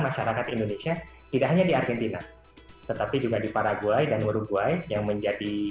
masyarakat indonesia tidak hanya di argentina tetapi juga di paraguay dan uruguay yang menjadi